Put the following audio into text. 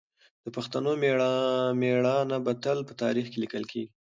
د پښتنو مېړانه به تل په تاریخ کې لیکل کېږي.